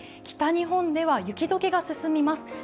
北日本では雪解けが進みます。